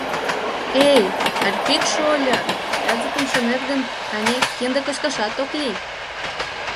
Эй, Арпик шольо, языкым шонет гын, ане, кинде кочкашат ок лий.